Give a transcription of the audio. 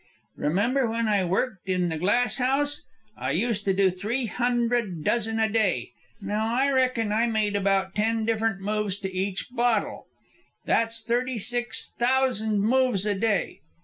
Remember when I worked in the glass house? I used to do three hundred dozen a day. Now I reckon I made about ten different moves to each bottle. That's thirty six thousan' moves a day.